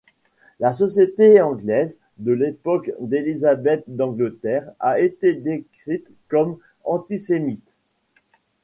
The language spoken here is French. La société anglaise de l'époque d'Élisabeth d'Angleterre a été décrite comme antisémite.